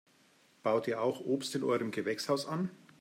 Baut ihr auch Obst in eurem Gewächshaus an?